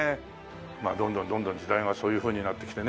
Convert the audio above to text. まあどんどんどんどん時代がそういうふうになってきてね